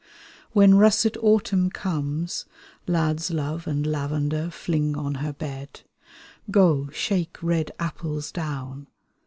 When russet autumn comes, Lad's love and lavender Fling on her bed. Go, shake red apples down.